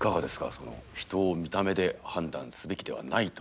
その人を見た目で判断すべきではないという。